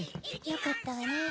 よかったわね。